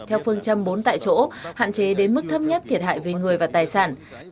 theo phương châm bốn tại chỗ hạn chế đến mức thấp nhất thiệt hại về người và tài sản